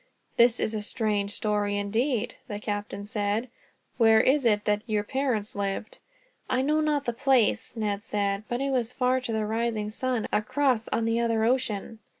"This is a strange story, indeed," the captain said. "Where was it that your parents lived?" "I know not the place," Ned said. "But it was far to the rising sun, across on the other ocean."